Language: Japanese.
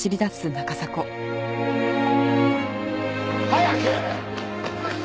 早く！